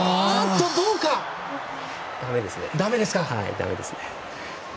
だめですね。